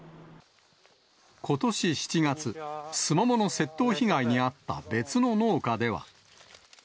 ことし７月、スモモの窃盗被害に遭った別の農家では。